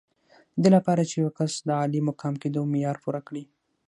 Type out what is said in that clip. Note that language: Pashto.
د دې لپاره چې یو کس د عالي مقام کېدو معیار پوره کړي.